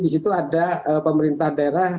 disitu ada pemerintah daerah